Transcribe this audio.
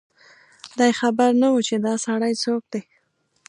دی خبر نه و چي دا سړی څوک دی